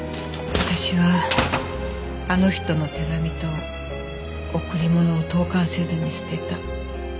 私はあの人の手紙と贈り物を投函せずに捨てた。